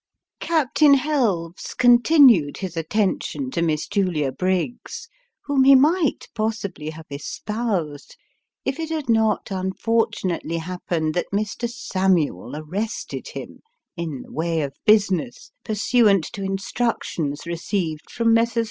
Captain Helves continued his attention to Miss Julia Briggs, whom ho might possibly have espoused, if it had not unfortunately happened that Mr. Samuel arrested him, in the way of business, pursuant to instructions received from Messrs.